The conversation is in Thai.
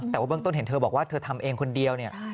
แต่ว่าเบื้องต้นเห็นเธอบอกว่าเธอทำเองคนเดียวเนี่ย